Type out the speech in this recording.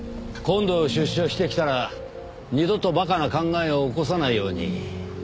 今度出所してきたら二度と馬鹿な考えを起こさないように。